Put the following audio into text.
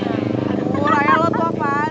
aduh raya lo tuh apaan